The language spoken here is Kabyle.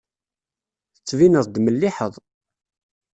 Tettbineḍ-d melliḥeḍ.